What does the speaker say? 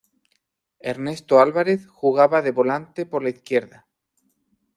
Ernesto Álvarez jugaba de volante por la izquierda.